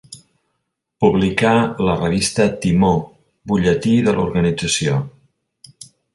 Publicà la revista Timó, butlletí de l'organització.